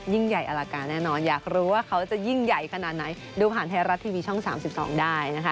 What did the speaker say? ยิ่งใหญ่อลังการแน่นอนอยากรู้ว่าเขาจะยิ่งใหญ่ขนาดไหนดูผ่านไทยรัฐทีวีช่อง๓๒ได้นะคะ